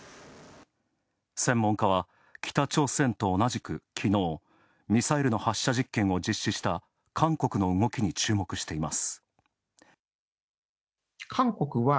専門家は、北朝鮮と同じく、きのうミサイルの発射実験を実施した韓国の動きに注目しています。